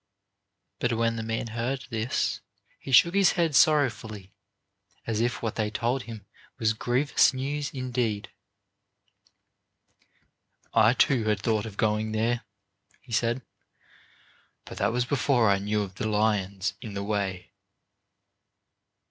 But when the man heard this he shook his head sorrowfully as if what they told him was grievous news indeed. "I, too, had thought of going there," he said; "but that was before I knew of the lions in the way."